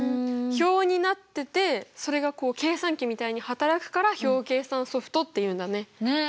表になっててそれがこう計算機みたいに働くから表計算ソフトっていうんだね。